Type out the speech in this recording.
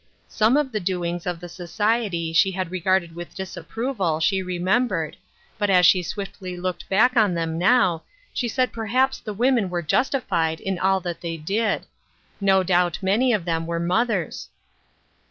Some of the doings of the society she had regarded with disapproval, she re membered, but as she swiftly looked back on them now, she said perhaps the women were justi fied in all that they did. No doubt many of them were mothers.